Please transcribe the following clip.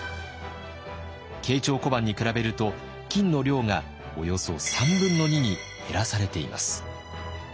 慶長小判に比べると金の量がおよそ３分の２に減らされています。